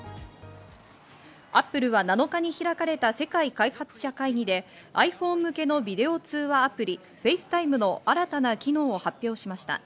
Ａｐｐｌｅは７日に開かれた世界開発者会議でｉＰｈｏｎｅ向けのビデオ通話アプリＦａｃｅＴｉｍｅの新たな機能を発表しました。